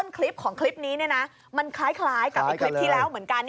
คลิปของคลิปนี้มันคล้ายกับคลิปที่แล้วเหมือนกัน